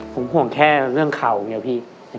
ผมห่วงแค่เรื่องเขาเนี่ยพี่